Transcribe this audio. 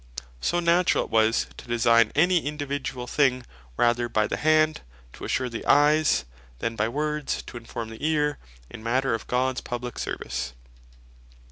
So naturall it is to design any individuall thing, rather by the Hand, to assure the Eyes, than by Words to inform the Eare in matters of Gods Publique service.